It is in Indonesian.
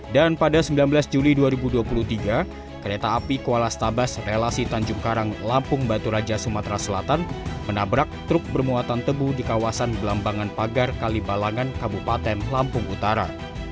dan pada sembilan belas juli dua ribu dua puluh tiga kereta api kuala stabas relasi tanjung karang lampung batu raja sumatera selatan menabrak truk bermuatan tebu di kawasan belambangan pagar kalibalangan kabupaten lampung utara